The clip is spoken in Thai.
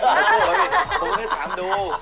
พี่ก็ไม่ได้ถามดู